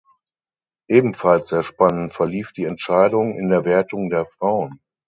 Ebenfalls sehr spannend verlief die Entscheidung in der Wertung der Frauen.